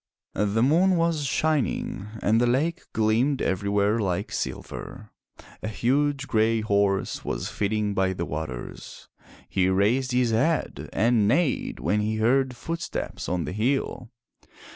The moon was shining and the lake gleamed everywhere like silver. A huge gray horse was feeding by the waters. He raised his head and neighed when he heard footsteps on the hill.